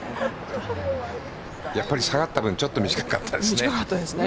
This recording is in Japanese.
やっぱり下がった分ちょっと短かったですね。